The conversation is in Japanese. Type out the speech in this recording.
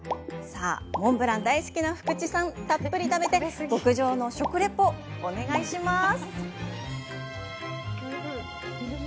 さあ、モンブラン大好きな福地さん、たっぷり食べて極上の食レポ、お願いします。